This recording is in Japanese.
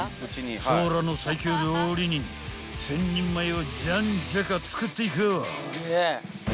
空の最強料理人１，０００人前をじゃんじゃか作っていかぁ］